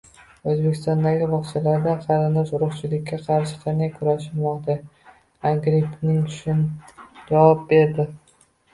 O‘zbekistondagi bog‘chalarda qarindosh-urug‘chilikka qarshi qanday kurashilmoqda? Agrippina Shin javob berdi